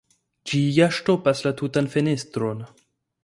Ĝi ja ŝtopas la tutan fenestron.